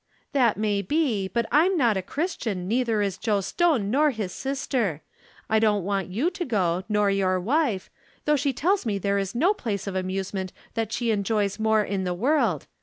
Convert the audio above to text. " That may be, but I'm not a Christian, nei ther is Joe Stone nor his sister. I don't want you to go nor your wife, though she tells me there is no place of amusement that she enjoys more in the world.